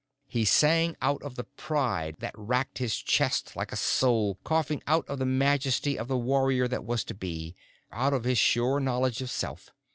He sang out of the pride that racked his chest like a soul coughing, out of the majesty of the warrior that was to be, out of his sure knowledge of self.